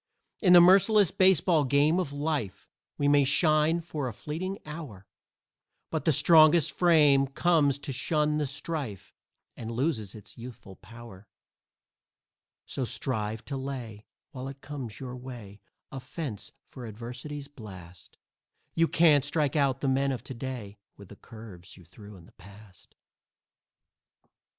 In the merciless baseball game of life We may shine for a fleeting hour, But the strongest frame comes to shun the strife And loses its youthful power. So strive to lay, while it comes your way, A fence for Adversity's blast. You can't strike out the men of to day With the curves you threw in the past.